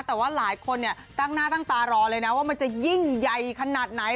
แต่ว่าหลายคนเนี่ยตั้งหน้าตั้งตารอเลยนะว่ามันจะยิ่งใหญ่ขนาดไหน